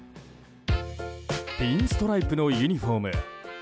ピンストライプのユニホーム。